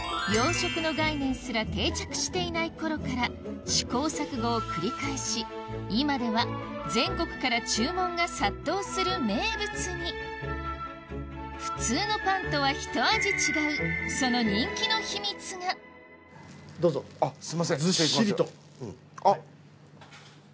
洋食の概念すら定着していないころから試行錯誤を繰り返し今では全国から注文が殺到する名物に普通のパンとはひと味違うそのあっ。